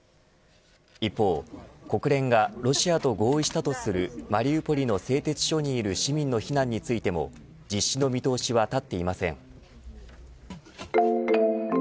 一方、国連がロシアと合意したとするマリウポリの製鉄所にいる市民の避難についても実施の見通しは立っていません。